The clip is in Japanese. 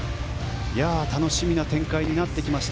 楽しみな展開になってきました。